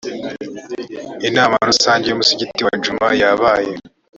inama rusange y ‘umusigiti wa idjuma yabaye.